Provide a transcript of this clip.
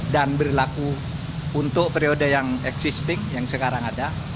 dan berlaku untuk periode yang existing yang sekarang ada